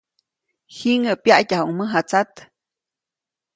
Jiŋäʼ pyaʼtyajuʼuŋ mäjatsat.